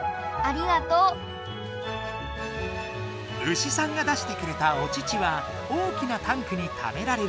牛さんが出してくれたお乳は大きなタンクにためられる。